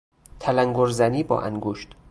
تلنگرزنی با انگشت